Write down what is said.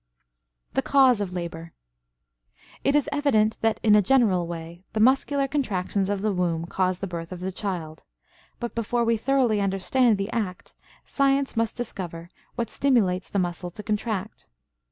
THE CAUSE OF LABOR. It is evident that, in a general way, the muscular contractions of the womb cause the birth of the child; but before we thoroughly understand the act, science must discover what stimulates the muscle to contract.